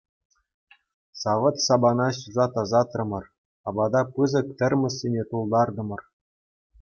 Савӑт-сапана ҫуса тасатрӑмӑр, апата пысӑк термоссене тултартӑмӑр.